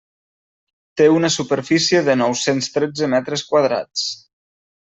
Té una superfície de nou-cents tretze metres quadrats.